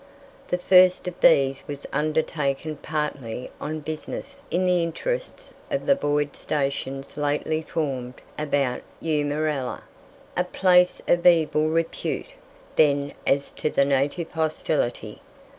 The first of these was undertaken partly on business in the interests of the Boyd stations lately formed about Eumerella, a place of evil repute then as to the native hostility.